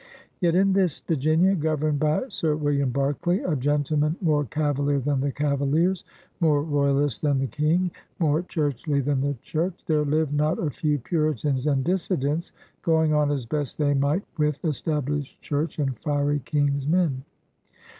Yet in this Virginia, governed by Sir William Berkeley, a gentleman more cavalier than the Cavaliers, more royalist than the King, more churchly than the Church, there lived not a few Puritans and Dissidents, going on as best they might with Established Church and fiery King's men.